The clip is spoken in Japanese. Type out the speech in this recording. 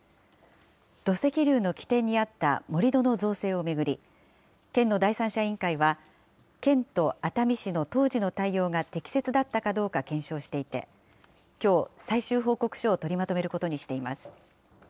土石流の起点にあった盛り土の造成を巡り、県の第三者委員会は、県と熱海市の当時の対応が適切だったかどうか検証していて、きょう、最終報告書を取りまとめることにしています。